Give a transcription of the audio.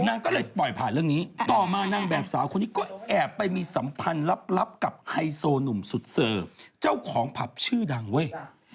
นางก็เลยปล่อยผ่านเรื่องนี้ต่อมานางแบบสาวคนนี้ก็แอบไปมีสัมพันธ์ลับกับไฮโซหนุ่มสุดเสิร์ฟเจ้าของผับชื่อดังเว้ย